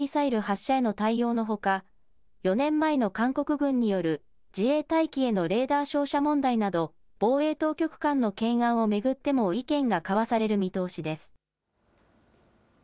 北朝鮮による弾道ミサイル発射への対応のほか、４年前の韓国軍による自衛隊機へのレーダー照射問題など、防衛当局間の懸案を巡っても意見が交わされる見通しです。